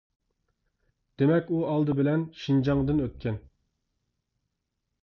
دېمەك، ئۇ ئالدى بىلەن شىنجاڭدىن ئۆتكە.